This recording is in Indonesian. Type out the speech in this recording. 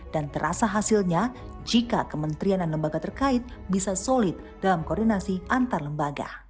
dan terasa hasilnya jika kementerian dan lembaga terkait bisa solid dalam koordinasi antar lembaga